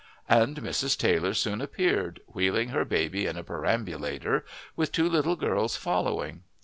And Mrs. Taylor soon appeared, wheeling her baby in a perambulator, with two little girls following.